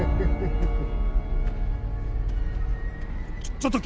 ちょっと君。